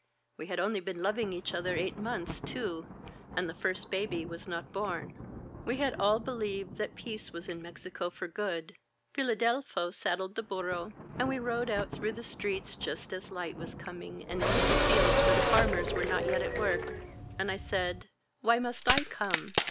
We had only been loving each other eight months, too, and the first baby was not bom. ... We had all believed that peace was in Mexico for good. Filadelfo saddled the burro, and we rode out through the streets just as light was coming, and into the fields where the farmers were not yet at work. And I said: ^Why must I come?'